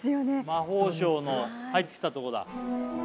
魔法省の入ってたとこだ